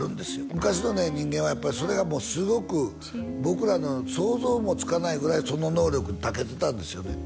昔の人間はやっぱりそれがもうすごく僕らの想像もつかないぐらいその能力に長けてたんですよね